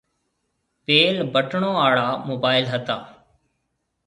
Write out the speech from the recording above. پيل بٽڻون آݪا موبائل ھتا